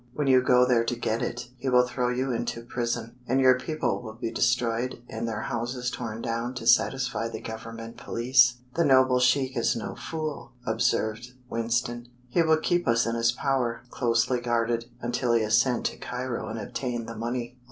When you go there to get it, he will throw you into prison, and your people will be destroyed and their houses torn down to satisfy the Government police." "The noble sheik is no fool," observed Winston. "He will keep us in his power, closely guarded, until he has sent to Cairo and obtained the money.